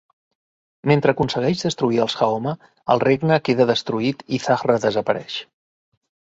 Mentre aconsegueix destruir els Haoma, el regne queda destruït i Zahra desapareix.